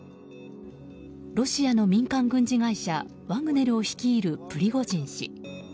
ロシアの民間軍事会社ワグネルを率いるプリゴジン氏。